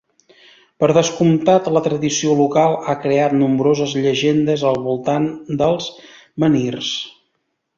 Per descomptat, la tradició local ha creat nombroses llegendes al voltant dels menhirs.